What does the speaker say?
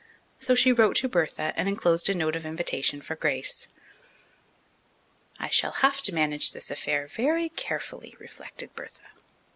So she wrote to Bertha and enclosed a note of invitation for Grace. I shall have to manage this affair very carefully, reflected Bertha.